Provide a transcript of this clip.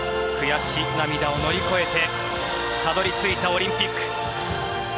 悔し涙を乗り越えてたどり着いたオリンピック。